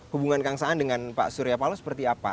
hubungan kang saan dengan pak surya palo seperti apa